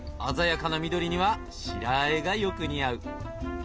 鮮やかな緑には白和えがよく似合う。